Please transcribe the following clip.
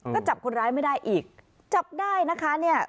ก็จับคนร้ายไม่ได้อีกจับได้นะคะเนี่ย